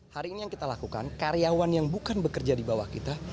hari ini yang kita lakukan karyawan yang bukan bekerja di bawah kita